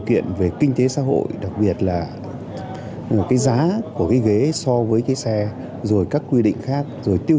kiện về kinh tế xã hội đặc biệt là cái giá của cái ghế so với cái xe rồi các quy định khác rồi tiêu